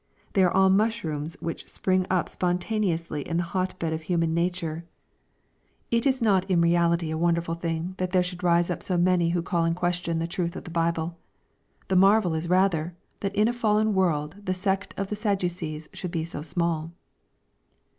They are all mushrooms which spring up spontaneously in the hot bed of human nature. It is not 15 388 EXPOSITORY THOUGHTS. in reality a wonderful thing that there should rise up so many who call in question the truth of the Bible. The marvel is rather, that in a fallen world the sect of the Sadducees should be so small.